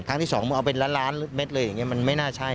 ครั้งที่๒มึงเอาเป็นล้านล้านเมตรเลยมันไม่น่าใช่